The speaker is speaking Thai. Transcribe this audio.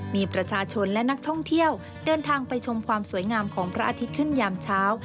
มีประชาชนและนักท่องเที่ยวเดินทางไปชมความสวยงามของพระอาทิตย์ขึ้นยามเช้า